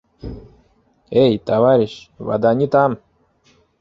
Эй, товарищь. вода не там!